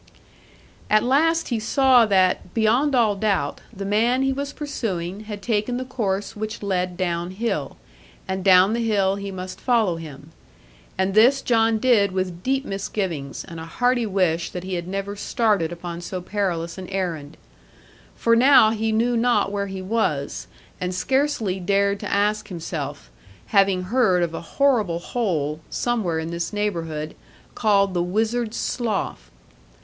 At last he saw that, beyond all doubt, the man he was pursuing had taken the course which led down hill; and down the hill he must follow him. And this John did with deep misgivings, and a hearty wish that he had never started upon so perilous an errand. For now he knew not where he was, and scarcely dared to ask himself, having heard of a horrible hole, somewhere in this neighbourhood, called the Wizard's Slough.